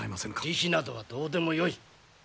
理非などはどうでもよい。